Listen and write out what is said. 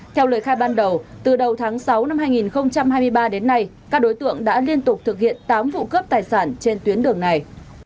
theo lời khai ban đầu từ đầu tháng sáu năm hai nghìn hai mươi ba đến nay các đối tượng đã liên tục thực hiện tám vụ cướp tài sản trên tuyến đường này